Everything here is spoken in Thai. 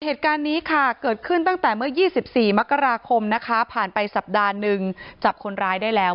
เหตุการณ์นี้ค่ะเกิดขึ้นตั้งแต่เมื่อ๒๔มกราคมนะคะ